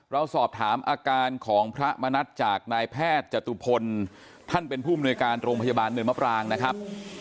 เราสอบถามอาการของพระมณัฐจากนายแพทย์จตุพลท่านเป็นผู้มนวยการโรงพยาบาลเนินมะปรางนะครับ